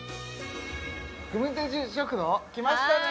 クムデジ食堂来ましたね